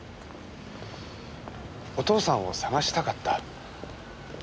お父さんを捜したかった。